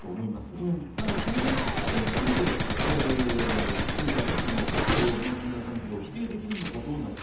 でも、それですべて今回の負傷の因果関係を否定できるのかどうなのか。